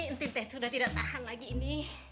nteng teh sudah tidak tahan lagi ini